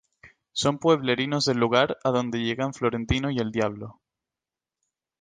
Son pueblerinos del lugar, adonde llegan Florentino y El Diablo.